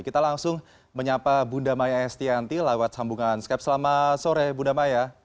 kita langsung menyapa bunda maya estianti lewat sambungan skype selamat sore bunda maya